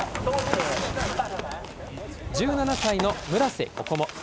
１７歳の村瀬心椛。